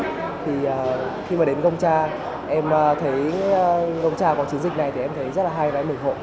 thì khi mà đến gông tra em thấy gông tra có chiến dịch này thì em thấy rất là hay và em ủng hộ